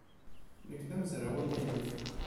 Nekk d amezraw amaynut.